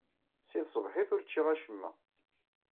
Seg tṣebḥit, ur cciɣ acemma.